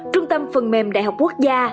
trung tâm phần mềm đại học quốc gia